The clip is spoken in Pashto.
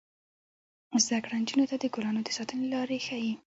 زده کړه نجونو ته د ګلانو د ساتنې لارې ښيي.